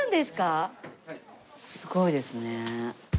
すごいですね。